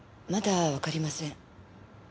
まだわかりません。